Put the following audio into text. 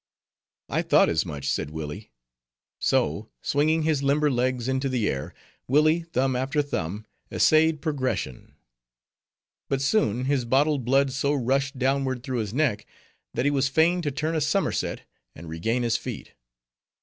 'I thought as much,' said Willi; so, swinging his limber legs into the air, Willi, thumb after thumb, essayed progression. But soon, his bottled blood so rushed downward through his neck, that he was fain to turn a somerset and regain his feet.